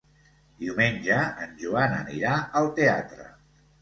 Diumenge en Joan anirà al teatre.